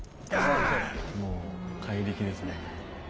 もう怪力ですね。